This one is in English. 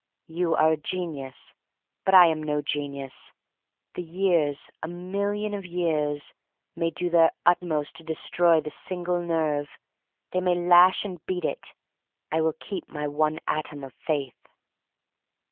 You are a genius, but I am no genius. The years — a million of years — may do their utmost to destroy the single nerve. They may lash and beat it. I will keep my one atom of faith.